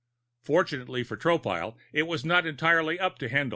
Fortunately for Tropile, it was not entirely up to Haendl.